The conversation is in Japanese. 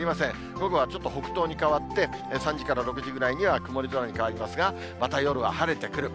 午後はちょっと北東に変わって、３時から６時ぐらいには曇り空に変わりますが、また夜は晴れてくる。